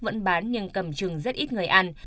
vẫn bán nhưng cầm chừng rất ít người ăn